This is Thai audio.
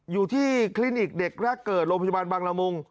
คลินิกเด็กแรกเกิดโรงพยาบาลบางละมุง